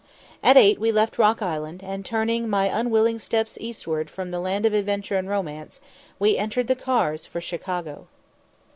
At eight we left Rock Island, and, turning my unwilling steps eastward from the land of adventure and romance, we entered the cars for Chicago.